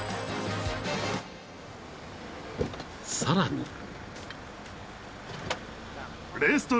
［さらに］